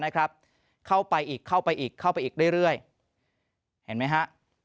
เข้าไปอีกเข้าไปอีกเข้าไปอีกเรื่อยเห็นไหมฮะ